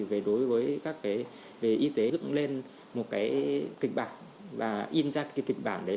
về đối với các y tế dựng lên một kịch bản và in ra kịch bản đấy